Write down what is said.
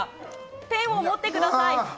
ペンを持ってください。